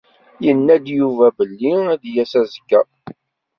Yenna-d Yuba belli ad d-yas azekka.